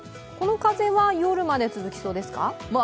この風は夜まで続きそうですか？